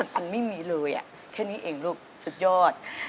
อันไม่มีเลยแค่นี้เองลูกสุดยอด